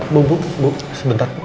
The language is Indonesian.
bu bu sebentar